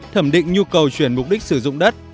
thẩm định nhu cầu chuyển mục đích sử dụng đất